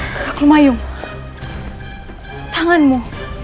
kakak krumayung tanganmu